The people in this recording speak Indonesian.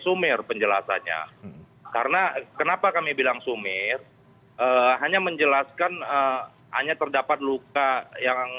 sumir penjelasannya karena kenapa kami bilang sumir hanya menjelaskan hanya terdapat luka yang